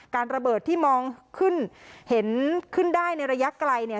ระเบิดที่มองขึ้นเห็นขึ้นได้ในระยะไกลเนี่ย